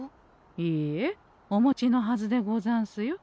いいえお持ちのはずでござんすよ。